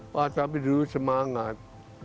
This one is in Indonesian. wah tapi dulu semangat